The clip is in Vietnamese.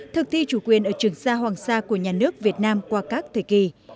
thực thi chủ quyền ở trường sa hoàng sa của nhà nước việt nam qua các thời kỳ